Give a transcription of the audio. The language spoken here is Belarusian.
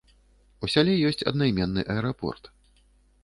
У сяле ёсць аднайменны аэрапорт.